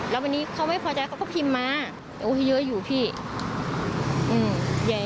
แล้ววันนี้เขาไม่พอใจเขาก็พิมพ์มาโอ้ให้เยอะอยู่พี่